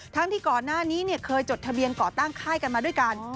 ที่ก่อนหน้านี้เคยจดทะเบียนก่อตั้งค่ายกันมาด้วยกัน